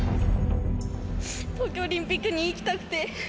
東京オリンピックに行きたくて。